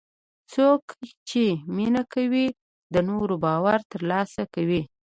څوک چې مینه کوي، د نورو باور ترلاسه کوي.